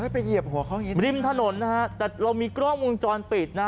เหยียบหัวเขาหินริมถนนนะฮะแต่เรามีกล้องวงจรปิดนะ